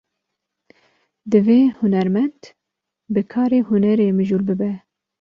Divê hunermend, bi karê hunerê mijûl bibe